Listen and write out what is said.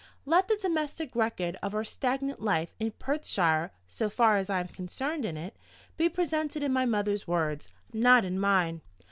Let the domestic record of our stagnant life in Perthshire (so far as I am concerned in it) be presented in my mother's words, not in mine.